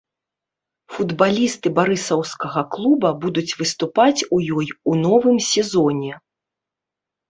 Футбалісты барысаўскага клуба будуць выступаць у ёй у новым сезоне.